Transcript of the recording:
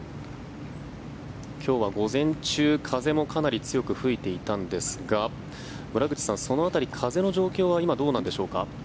今日は午前中、風もかなり強く吹いていたんですが村口さん、その辺り風の状況は今どうなんでしょうか？